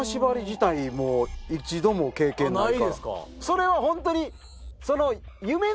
それはホントに。